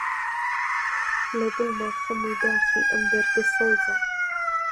لە دڵما خەم و داخی ئەم دەردە سەوزە: